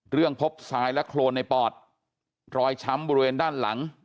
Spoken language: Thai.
พบทรายและโครนในปอดรอยช้ำบริเวณด้านหลัง